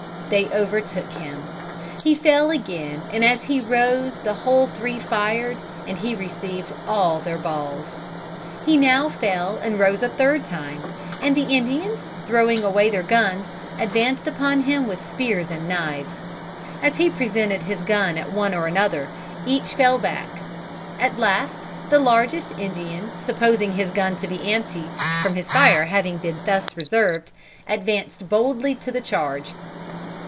They overtook him. He fell again, and as he rose the whole three fired, and he received all their balls. He now fell and rose a third time, and the Indians, throwing away their guns, advanced upon him with spears and knives. As he presented his gun at one or another, each fell back. At last the largest Indian, supposing his gun to be empty, from his fire having been thus reserved, advanced boldly to the charge.